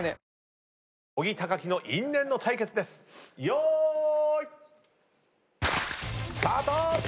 よーい。スタート！